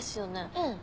うん。